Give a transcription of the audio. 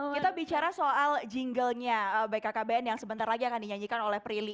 kita bicara soal jinglenya bkkbn yang sebentar lagi akan dinyanyikan oleh prilly